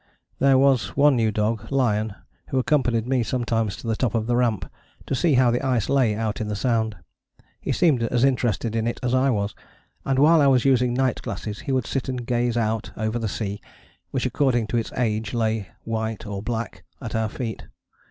There was one new dog, Lion, who accompanied me sometimes to the top of the Ramp to see how the ice lay out in the Sound. He seemed as interested in it as I was, and while I was using night glasses would sit and gaze out over the sea which according to its age lay white or black at our feet.